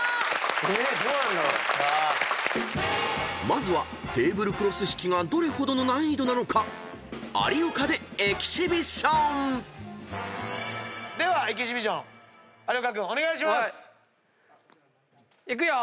［まずはテーブルクロス引きがどれほどの難易度なのか有岡でエキシビション］ではエキシビション有岡君お願いします！いくよ！